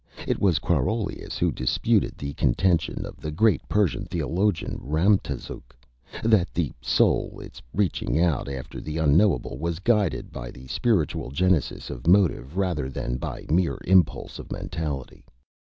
It was Quarolius who disputed the Contention of the great Persian Theologian Ramtazuk, that the Soul in its reaching out after the Unknowable was guided by the Spiritual Genesis of Motive rather than by mere Impulse of Mentality.